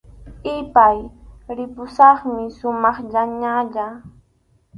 Ipay, ripusaqmi sumaqllañayá